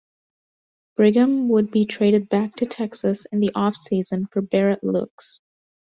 Brigham would be traded back to Texas in the off-season for Barret Loux.